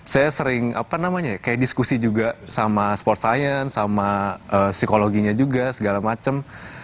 saya sering apa namanya kayak diskusi juga sama sport science sama psikologinya juga segala macem